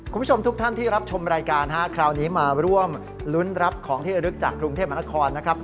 คุณผู้ชมทุกท่านที่รับชมรายการคราวนี้มาร่วมรุ้นรับของที่ระลึกจากกรุงเทพมหานครนะครับ